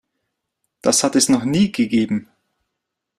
Das hat es noch nie gegeben.